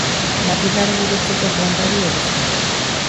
Latindar gurutzeko planta du elizak.